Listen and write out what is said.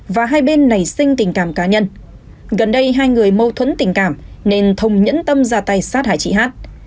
và hai bên nảy sinh tình cảm cá nhân gần đây hai người mâu thuẫn tình cảm nên thông nhẫn tâm ra tay sát hại chị hát